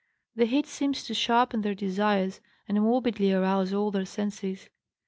The heat seems to sharpen their desires and morbidly arouse all their senses.